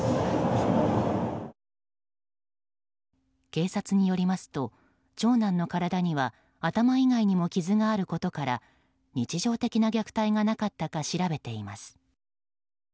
警察によりますと長男の体には頭以外にも傷があることから日常的な虐待がなかったか調べています。